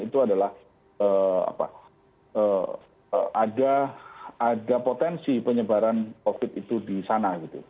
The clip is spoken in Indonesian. itu adalah ada potensi penyebaran covid itu di sana